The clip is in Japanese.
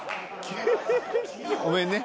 ごめんね。